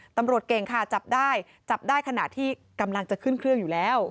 ตำรวจเก่งค่ะจับได้จับได้ขณะที่กำลังจะขึ้นเครื่องอยู่แล้ว